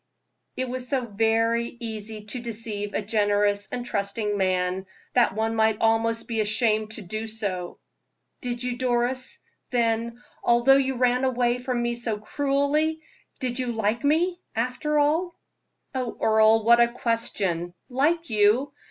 It is so very easy to deceive a generous and trusting man, that one might almost be ashamed to do it. "Did you, Doris? Then, although you ran away from me so cruelly, you did like me, after all?" "Oh, Earle, what a question! Like you?